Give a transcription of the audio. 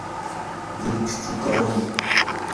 luychu chukarum.